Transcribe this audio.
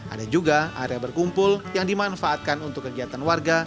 ada juga area berkumpul yang dimanfaatkan untuk kegiatan warga